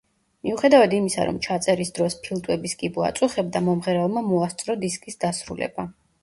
მიუხედავად იმისა, რომ ჩაწერის დროს ფილტვების კიბო აწუხებდა, მომღერალმა მოასწრო დისკის დასრულება.